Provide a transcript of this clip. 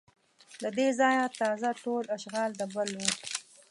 له دې ځایه تازه ټول اشغال د بل و